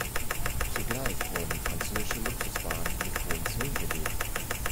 Zugleich wurden französische Luxuswaren mit hohen Zöllen belegt.